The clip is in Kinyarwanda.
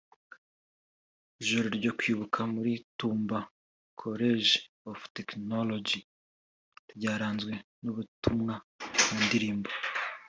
Ijoro ryo kwibuka muri Tumba College of Technology ryaranzwe n’ubutumwa mu ndirimbo